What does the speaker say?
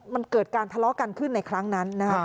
มันเกิดการทะเลาะกันขึ้นในครั้งนั้นนะฮะ